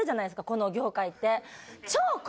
この業界って。